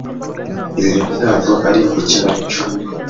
Ibi bintu ntabwo ari ikinamico